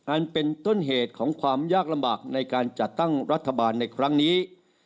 อันเป็นต้นเหตุของความยากลำบากในการจัดตั้งรัฐบาลในครั้งนี้